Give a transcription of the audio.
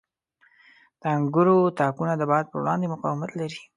• د انګورو تاکونه د باد په وړاندې مقاومت لري.